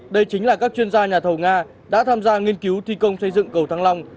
đây chính là các chuyên gia nhà thầu nga đã tham gia nghiên cứu thi công xây dựng cầu thăng long